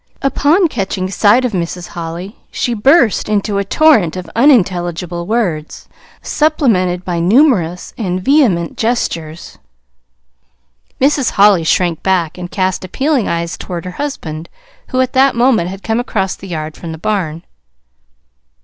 Upon catching sight of Mrs. Holly she burst into a torrent of unintelligible words, supplemented by numerous and vehement gestures. Mrs. Holly shrank back, and cast appealing eyes toward her husband who at that moment had come across the yard from the barn.